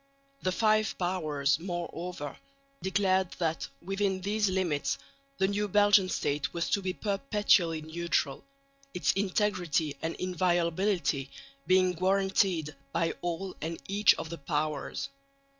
The Five Powers, moreover, declared that within these limits the new Belgian State was to be perpetually neutral, its integrity and inviolability being guaranteed by all and each of the Powers.